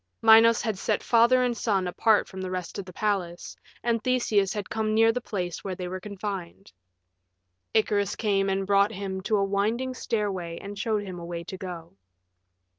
Minos had set father and son apart from the rest of the palace, and Theseus had come near the place where they were confined. Icarus came and brought him to a winding stairway and showed him a way to go.